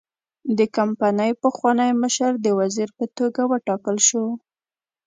د کمپنۍ پخوانی مشر د وزیر په توګه وټاکل شو.